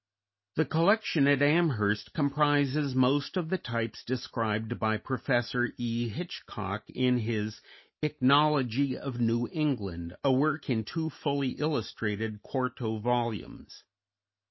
The collection at Amherst comprises most of the types described by Professor E. Hitchcock in his "Ichnology of New England," a work in two fully illustrated quarto volumes.